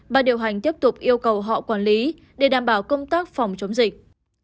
bà điều hành tiếp tục yêu cầu họ quản lý để đảm bảo công tác phòng chống dịch